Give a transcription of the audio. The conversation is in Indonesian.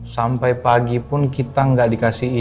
sampai pagi pun kita nggak dikasih izin